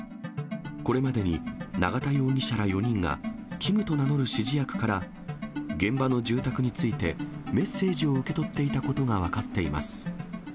これまでに永田容疑者ら４人が、キムと名乗る指示役から現場の住宅について、メッセージを受け取っていたことが分かっています。